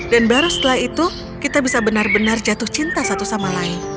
dan baru setelah itu kita bisa benar benar jatuh cinta satu sama lain